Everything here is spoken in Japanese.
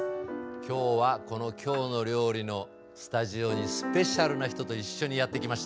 今日はこの「きょうの料理」のスタジオにスペシャルな人と一緒にやって来ました。